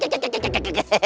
hai aduh bagaimana ini ya